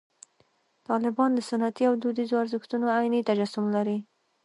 طالبان د سنتي او دودیزو ارزښتونو عیني تجسم لري.